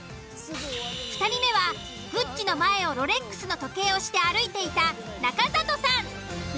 ２人目はＧＵＣＣＩの前をロレックスの時計をして歩いていた中里さん。